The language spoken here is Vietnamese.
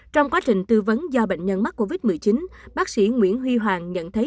trong quá trình tư vấn do bệnh nhân mắc covid một mươi chín bác sĩ nguyễn huy hoàng nhận thấy